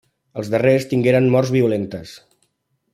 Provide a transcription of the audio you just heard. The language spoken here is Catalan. Els darrers tingueren morts violentes.